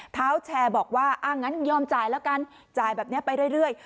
เท้าแชร์บอกว่าอ้างั้นยอมจ่ายแล้วกันจ่ายแบบนี้ไปเรื่อย